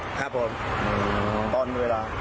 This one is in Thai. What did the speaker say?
ครับผม